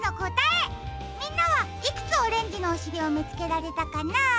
みんなはいくつオレンジのおしりをみつけられたかな？